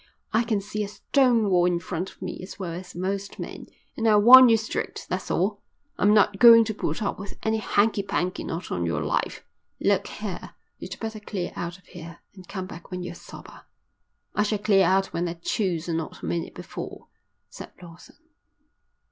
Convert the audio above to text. I can see a stone wall in front of me as well as most men, and I warn you straight, that's all. I'm not going to put up with any hanky panky, not on your life." "Look here, you'd better clear out of here, and come back when you're sober." "I shall clear out when I choose and not a minute before," said Lawson.